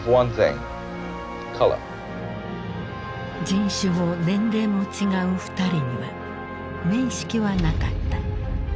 人種も年齢も違う２人には面識はなかった。